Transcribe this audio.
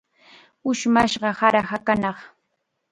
Ushmashqa sara hakanaq.